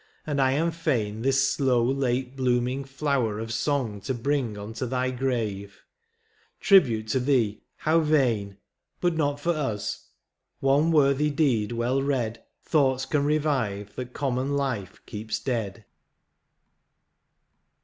and I am fain This slow, late blooming flower of song to bring Unto thy grave ; tribute to thee, how vain, But not for us ; one worthy deed well read Thoughts can revive that common life keeps dead.